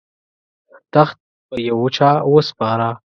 تخت پر یوه چا وسپاره.